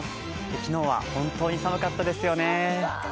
昨日は本当に寒かったですよね。